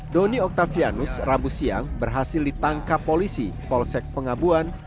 doni octavianus rambu siang berhasil ditangkap polisi polsek pengabuan